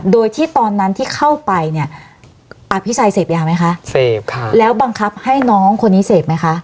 โดยที่ตอนนั้นที่เข้าไปเนี่ยอภิชัยเสพยาไหมคะเสพค่ะแล้วบังคับให้น้องคนนี้เสพไหมคะ